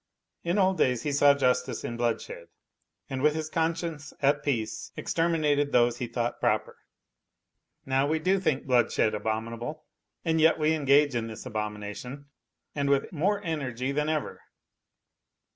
In old days he saw justice in blood shed and with his conscience at peace exterminated those he thought proper. Now we do think bloodshed abominable and yet we engage in this abomination, and with more energy than ever.